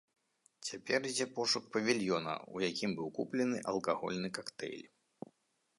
Цяпер ідзе пошук павільёна, у якім быў куплены алкагольны кактэйль.